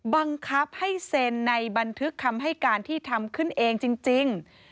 บังคับให้เซ็นในบันทึกคำให้การที่ทำขึ้นเองจริง